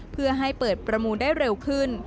เพื่อให้เปิดประมูลได้เร็วขึ้น